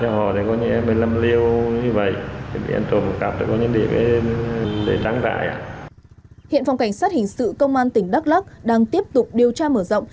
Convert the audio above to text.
hiện phòng cảnh sát hình sự công an tỉnh đắk lắc đang tiếp tục điều tra mở rộng